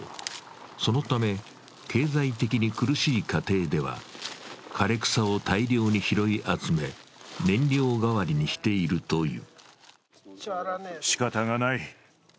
そのため、経済的に苦しい家庭では枯れ草を大量に拾い集め燃料代わりにしているという。